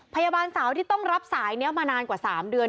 พยาบาลสาวที่ต้องรับสายนี้มานานกว่า๓เดือน